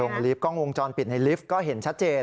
ลิฟต์กล้องวงจรปิดในลิฟต์ก็เห็นชัดเจน